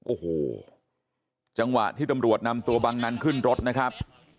โอ้โหจังหวะที่ตำรวจนำตัวบังนั้นขึ้นรถนะครับ